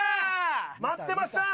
待ってました！